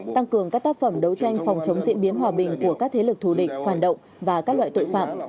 tăng cường các tác phẩm đấu tranh phòng chống diễn biến hòa bình của các thế lực thù địch phản động và các loại tội phạm